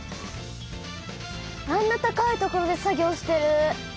あんな高い所で作業してる。